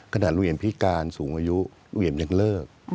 ลุงเอียมพิการสูงอายุเอี่ยมยังเลิก